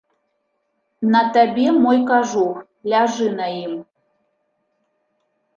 На табе мой кажух, ляжы на ім.